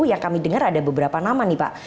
yang kami dengar ada beberapa nama nih pak